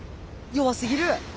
弱すぎる。